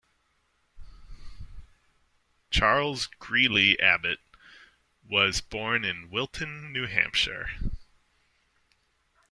Charles Greeley Abbot was born in Wilton, New Hampshire.